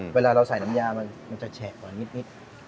เวลาเราใส่น้ำยามันจะแฉะกว่านิด